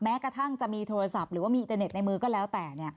แม้กระทั่งจะมีโทรศัพท์หรือว่ามีอินเตอร์เน็ตในมือก็แล้วแต่